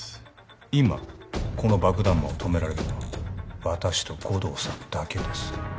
今この爆弾魔を止められるのは私と護道さんだけです